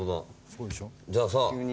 じゃあさ